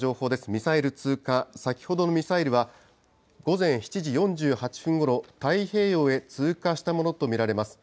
ミサイル通過、先ほどのミサイルは、午前７時４８分ごろ、太平洋へ通過したものと見られます。